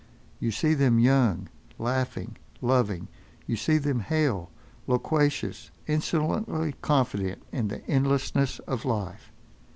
You see them young, laughing, loving; you see them hale, loquacious, insolently confident in the endlessness of life.